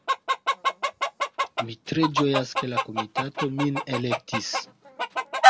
Mi tre ĝojas, ke la komitato min elektis.